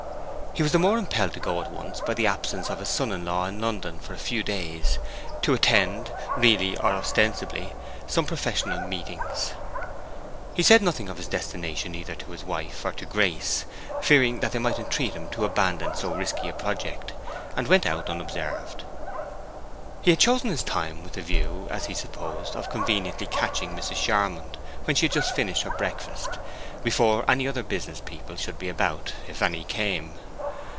He was the more impelled to go at once by the absence of his son in law in London for a few days, to attend, really or ostensibly, some professional meetings. He said nothing of his destination either to his wife or to Grace, fearing that they might entreat him to abandon so risky a project, and went out unobserved. He had chosen his time with a view, as he supposed, of conveniently catching Mrs. Charmond when she had just finished her breakfast, before any other business people should be about, if any came.